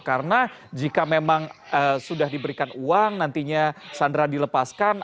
karena jika memang sudah diberikan uang nantinya sandera dilepaskan